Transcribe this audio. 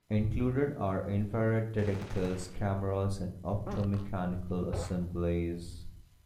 Included are infrared detectors, cameras, and opto-mechanical assemblies.